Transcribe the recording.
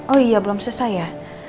oh iya belum selesai ya